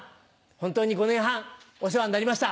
本当に５年半お世話になりました。